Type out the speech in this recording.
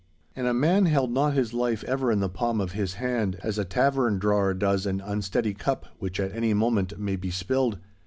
And a man held not his life ever in the palm of his hand, as a tavern drawer does an unsteady cup which at any moment may be spilled.